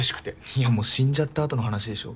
いやもう死んじゃったあとの話でしょ。